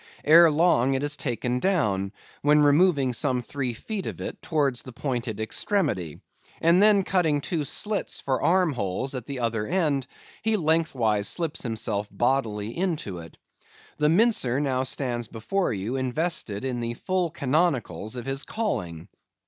Ere long, it is taken down; when removing some three feet of it, towards the pointed extremity, and then cutting two slits for arm holes at the other end, he lengthwise slips himself bodily into it. The mincer now stands before you invested in the full canonicals of his calling.